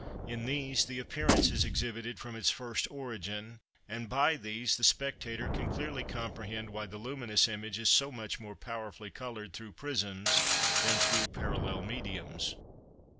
In these the appearance is exhibited from its first origin, and by these the spectator can clearly comprehend why the luminous image is so much more powerfully coloured through prisms than through parallel mediums.